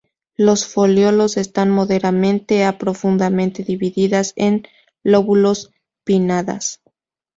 Los foliolos están moderadamente a profundamente divididas en lóbulos pinnadas.